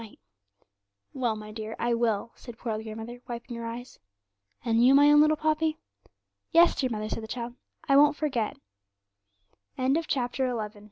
'Well, my dear, I will,' said poor old grandmother, wiping her eyes. 'And you, my own little Poppy?' 'Yes, dear mother,' said the child; 'I won't forget.' CHAPTER XI